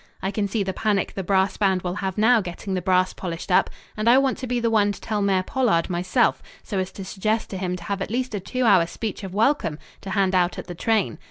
I can see the panic the brass band will have now getting the brass polished up, and I want to be the one to tell Mayor Pollard myself, so as to suggest to him to have at least a two hour speech of welcome to hand out at the train.